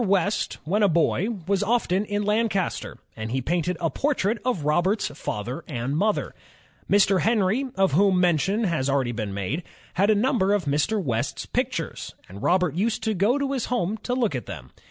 West when a boy was often in Lancaster, and he painted a portrait of Robert's father and mother. Mr. Henry, of whom mention has ROBERT FULTON already been made, had a number of Mr. West's pictures, and Robert used to go to his home to look at them.